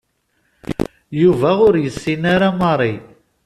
Yuba ur yessin ara Mary.